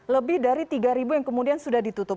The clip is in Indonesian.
lebih dari tiga yang kemudian sudah ditutup